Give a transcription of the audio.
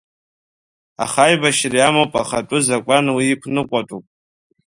Аха аибашьра иамоуп ахатәы закәан уи иқәныҟәатәуп.